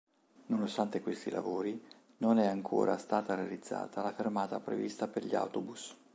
Nonostante questi lavori non è ancora stata realizzata la fermata prevista per gli autobus.